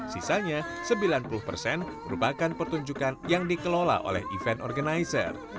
sisanya sembilan puluh persen merupakan pertunjukan yang dikelola oleh event organizer